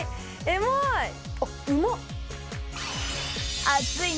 エモい！